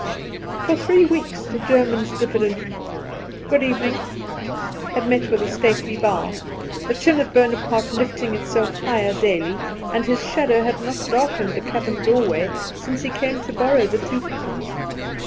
For three weeks the German's diffident "Good evening" had met with a stately bow; the chin of Bonaparte lifting itself higher daily; and his shadow had not darkened the cabin doorway since he came to borrow the two pounds.